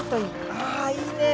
あいいね。